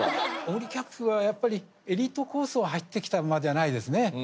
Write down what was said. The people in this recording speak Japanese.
オグリキャップはやっぱりエリートコースを走ってきた馬じゃないですね。